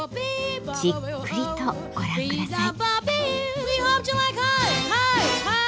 じっくりとご覧ください。